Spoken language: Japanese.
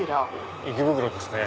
池袋ですね。